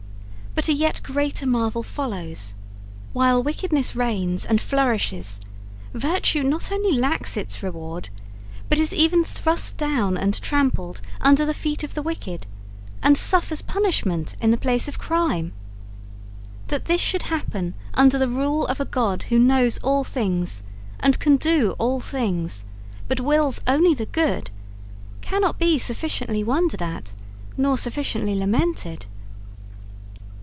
But a yet greater marvel follows: While wickedness reigns and flourishes, virtue not only lacks its reward, but is even thrust down and trampled under the feet of the wicked, and suffers punishment in the place of crime. That this should happen under the rule of a God who knows all things and can do all things, but wills only the good, cannot be sufficiently wondered at nor sufficiently lamented.'